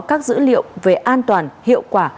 các dữ liệu về an toàn hiệu quả